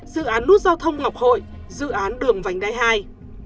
dự án nút giao thông ngọc hội dự án đường vành đai hai